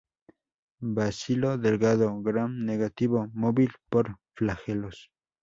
Bacilo delgado, Gram negativo, móvil por flagelos